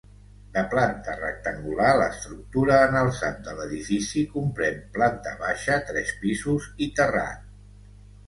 De planta rectangular, l'estructura en alçat de l'edifici comprèn planta baixa, tres pisos i terrat.